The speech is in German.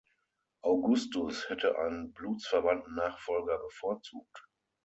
Augustus hätte einen blutsverwandten Nachfolger bevorzugt.